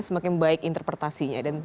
semakin baik interpretasinya dan